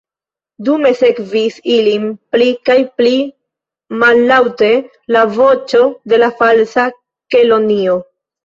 Dume sekvis ilin pli kaj pli mallaŭte la voĉo de la Falsa Kelonio.